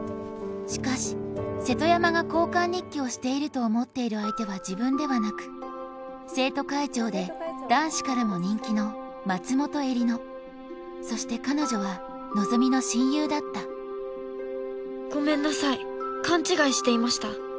しかし瀬戸山が交換日記をしていると思っている相手は自分ではなく生徒会長で男子からも人気の松本江里乃そして彼女は希美の親友だった「ごめんなさい勘違いしていました」